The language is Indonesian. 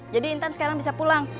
jadi intan sekarang bisa pulang